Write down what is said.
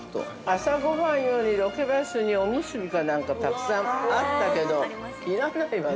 朝ごはん用に、ロケバスにおむすびかなんかたくさんあったけど要らないわね。